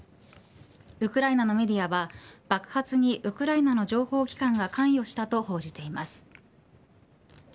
ウクライナのメディアは爆発にウクライナの情報機関が関与したと報じています。